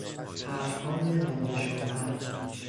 حرفهای رنجش آور